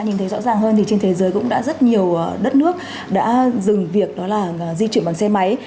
nhìn thấy rõ ràng hơn thì trên thế giới cũng đã rất nhiều đất nước đã dừng việc đó là di chuyển bằng xe máy